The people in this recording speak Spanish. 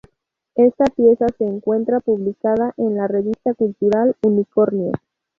Esta pieza se encuentra publicada en la revista cultural "Unicornio".